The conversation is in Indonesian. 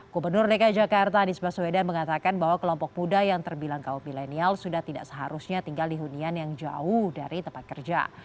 gubernur dki jakarta anies baswedan mengatakan bahwa kelompok muda yang terbilang kaum milenial sudah tidak seharusnya tinggal di hunian yang jauh dari tempat kerja